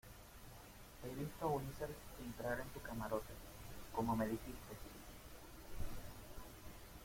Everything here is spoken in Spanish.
he visto a Ulises entrar en tu camarote, como me dijiste.